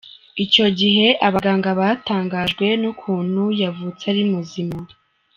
Icyo gihe abaganga batangajwe n’ukuntu yavutse ari muzima.